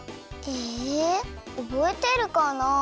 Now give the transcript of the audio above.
えおぼえてるかな？